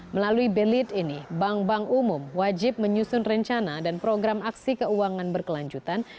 melalui belit ini bank bank umum wajib menyusun rencana dan program aksi keuangan berkelanjutan